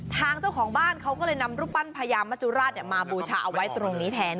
ทางเจ้าของบ้านเขาก็เลยนำรูปปั้นพญามจุราชมาบูชาเอาไว้ตรงนี้แทน